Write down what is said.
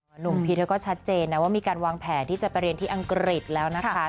หนุ่มพีชเธอก็ชัดเจนนะว่ามีการวางแผนที่จะไปเรียนที่อังกฤษแล้วนะคะ